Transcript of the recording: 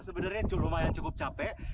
sebenarnya lumayan cukup capek